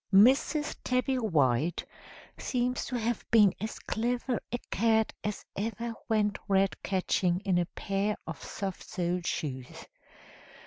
"Mrs. Tabby White seems to have been as clever a cat as ever went rat catching in a pair of soft soled shoes.